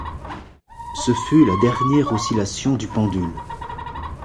Ce fut la dernière oscillation du pendule.